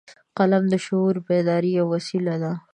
فلم د شعور بیدارۍ یو وسیله ده